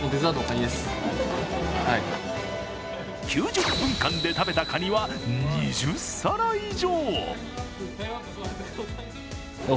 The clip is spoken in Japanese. ９０分間で食べたかには２０皿以上。